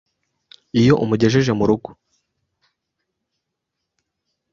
iyo amugejeje mu rugo